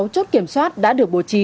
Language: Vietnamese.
sáu chốt kiểm soát đã được bổ trí